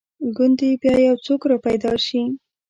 ګوندې بیا یو څوک را پیدا شي.